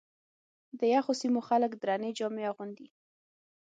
د یخو سیمو خلک درنې جامې اغوندي.